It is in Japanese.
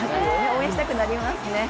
応援したくなりますね。